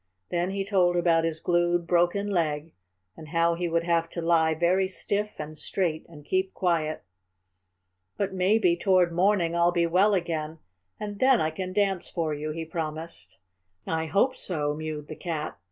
Then he told about his glued, broken leg, and how he would have to lie very stiff and straight and keep quiet. "But maybe, toward morning, I'll be well again, and then I can dance for you," he promised. "I hope so," mewed the Cat.